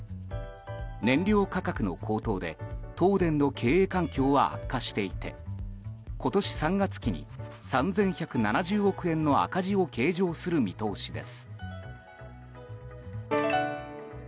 燃料価格の高騰で東電の経営環境は悪化していて今年３月期に３１７０億円の赤字を計上する見通しです。